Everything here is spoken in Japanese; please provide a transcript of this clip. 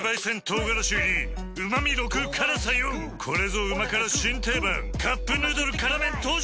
４これぞ旨辛新定番「カップヌードル辛麺」登場！